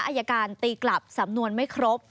อายการตีกลับสำนวนไม่ครบ